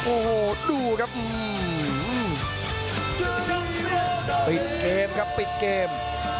โอ้โหดูครับปิดเกมครับปิดเกม